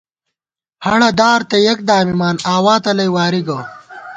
ہَڑہ دار تہ یَک دامِمان ، آوا تلَئ واری گہ